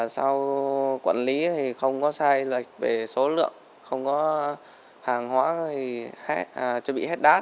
sau quản lý thì không có sai lệch về số lượng không có hàng hóa chuẩn bị hết đát